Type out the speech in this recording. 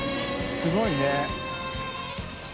すごいね。